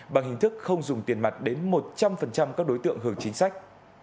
bằng hình thức không dùng tiền mặt đến một trăm linh các đối tượng hưởng chính sách